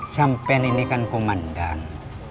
sampai nini kan kumandang